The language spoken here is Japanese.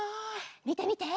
みてみて！